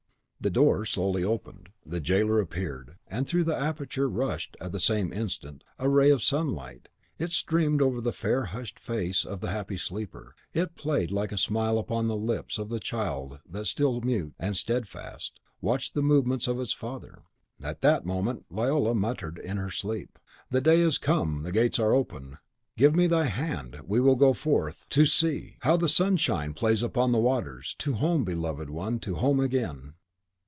The door slowly opened; the jailer appeared, and through the aperture rushed, at the same instant, a ray of sunlight: it streamed over the fair, hushed face of the happy sleeper, it played like a smile upon the lips of the child that, still, mute, and steadfast, watched the movements of its father. At that moment Viola muttered in her sleep, "The day is come, the gates are open! Give me thy hand; we will go forth! To sea, to sea! How the sunshine plays upon the waters! to home, beloved one, to home again!"